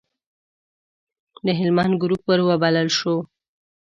د هلمند ګروپ وروبلل شو.